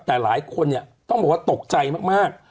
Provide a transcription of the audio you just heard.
แต่หลายคนเนี่ยต้องบอกว่าตกใจมาก